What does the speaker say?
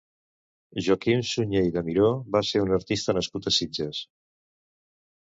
Joaquim Sunyer i de Miró va ser un artista nascut a Sitges.